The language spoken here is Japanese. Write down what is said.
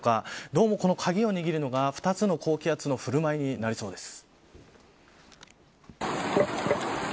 どうも、この鍵を握るのが２つの高気圧の振る舞いになりそうです。